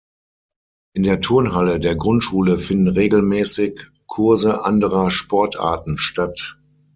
In der Turnhalle der Grundschule finden regelmäßig Kurse anderer Sportarten statt.